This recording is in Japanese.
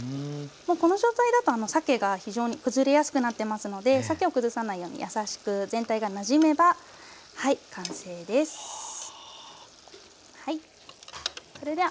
もうこの状態だとさけが非常に崩れやすくなってますのでさけを崩さないように優しく全体がなじめばはい完成です。はあ。